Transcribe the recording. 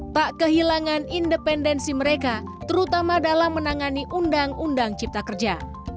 tak kehilangan independensi mereka terutama dalam menangani undang undang cipta kerja